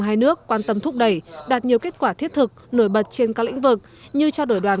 hai nước quan tâm thúc đẩy đạt nhiều kết quả thiết thực nổi bật trên các lĩnh vực như trao đổi đoàn